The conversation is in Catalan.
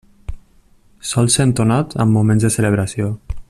Sol ser entonat en moments de celebració.